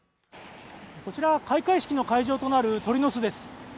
こちら、開会式の会場となる鳥の巣です。